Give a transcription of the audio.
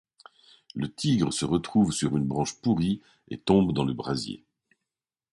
Le tigre se retrouve sur une branche pourrie et tombe dans le brasier.